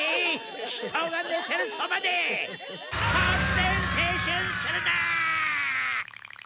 人がねてるそばでとつぜん青春するな！